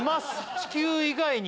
地球以外に？